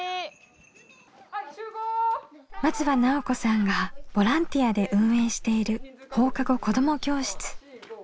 松場奈緒子さんがボランティアで運営している放課後子ども教室。